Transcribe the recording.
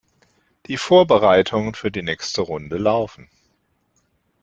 Die Vorbereitungen für die nächste Runde laufen.